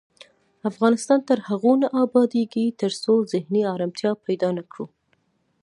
افغانستان تر هغو نه ابادیږي، ترڅو ذهني ارامتیا پیدا نکړو.